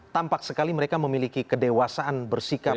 tampak sekali mereka memiliki kedewasaan bersikap